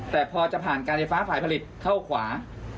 แต่พอจะผ่านการไฟฟ้าฝ่ายผลิตเข้าขวา